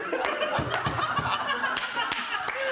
ハハハハ！